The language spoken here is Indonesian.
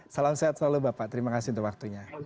salam sehat selalu bapak terima kasih untuk waktunya